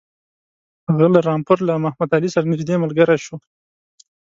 هغه له رامپور له محمدعلي سره نیژدې ملګری شو.